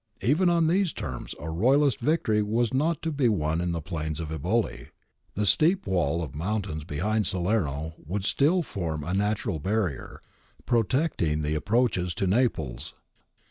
If even on these terms a Royalist victory was not to be won in the plains of Eboli, the steep wall of mountains behind Salerno would still form a natural barrier, protecting the approaches to Naples.